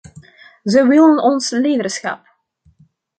Ze willen ons leiderschap.